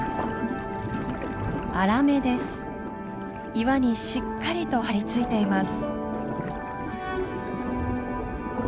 岩にしっかりと張り付いています。